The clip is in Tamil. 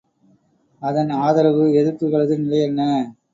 அதன் ஆதரவு எதிர்ப்புகளது நிலையென்ன.